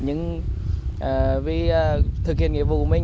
nhưng vì thực hiện nhiệm vụ của mình